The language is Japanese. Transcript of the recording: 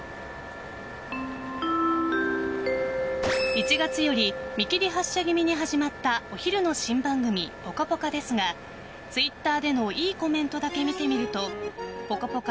１月より見切り発車気味に始まったお昼の新番組「ぽかぽか」ですがツイッターでのいいコメントだけ見てみると「ぽかぽか」